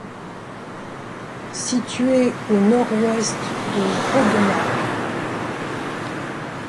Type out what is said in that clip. Situé au nord-ouest de Rodemack.